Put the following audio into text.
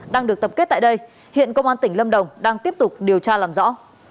đang được tập kết tại đây hiện công an tỉnh lâm đồng đang tiếp tục điều tra làm rõ